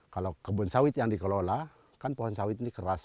kalau kebun sawit yang dikelola kan pohon sawit ini keras